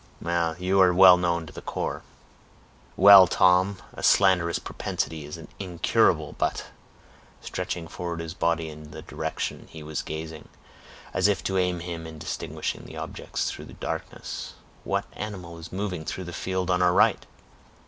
"You are well known to the corps." "Well, Tom, a slanderous propensity is incurable—but," stretching forward his body in the direction he was gazing, as if to aid him in distinguishing objects through the darkness, "what animal is moving through the field on our right?"